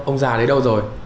ông già đấy đâu rồi